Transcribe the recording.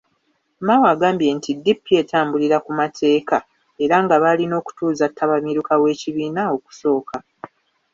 Mao agambye nti DP etambulira ku mateeka era nga baalina okutuuza ttabamiruka w'ekibiina okusooka.